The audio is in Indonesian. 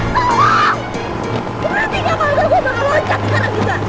tolong berarti gak malu malu gue bakal loncat sekarang kita